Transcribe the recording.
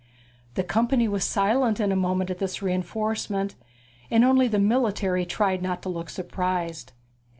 The company was silent in a moment at this reinforcement, and only the military tried not to look surprised.